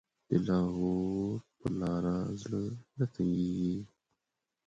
د لاهور په لاره زړه نه تنګېږي.